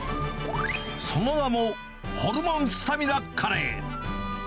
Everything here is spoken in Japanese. その名も、ホルモンスタミナカレー。